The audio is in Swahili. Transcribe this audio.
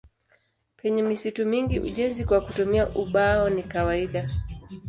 Penye misitu mingi ujenzi kwa kutumia ubao ni kawaida.